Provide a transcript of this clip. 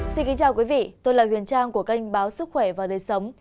xin kính chào quý vị tôi là huyền trang của kênh báo sức khỏe và đời sống